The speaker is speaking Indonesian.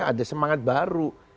akan ada semangat baru